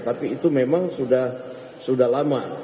tapi itu memang sudah lama